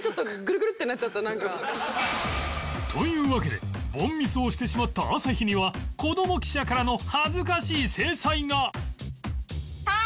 というわけで凡ミスをしてしまった朝日にはこども記者からの恥ずかしい制裁が